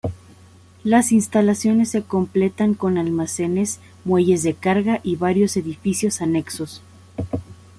Las instalaciones se completan con almacenes, muelles de carga, y varios edificios anexos.